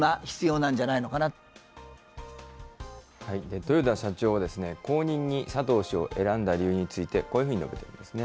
豊田社長は、後任に佐藤氏を選んだ理由について、こういうふうに述べてますね。